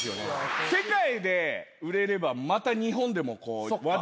世界で売れればまた日本でも話題になって。